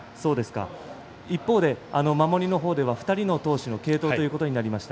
一方で守りのほうでは２人の投手の継投ということになりました。